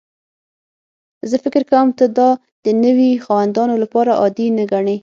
زه فکر کوم ته دا د نوي خاوندانو لپاره عادي نه ګڼې